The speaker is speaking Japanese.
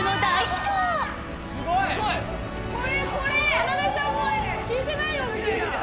かなでちゃん聞いてないよみたいな。